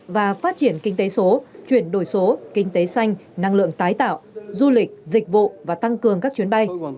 và phát triển kinh tế số chuyển đổi số kinh tế xanh năng lượng tái tạo du lịch dịch vụ và tăng cường các chuyến bay